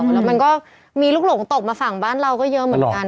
แล้วมันก็มีลูกหลงตกมาฝั่งบ้านเราก็เยอะเหมือนกัน